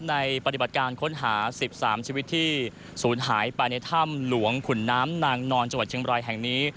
ปฏิบัติการค้นหา๑๓ชีวิตที่ศูนย์หายไปในถ้ำหลวงขุนน้ำนางนอนจังหวัดเชียงบรายแห่งนี้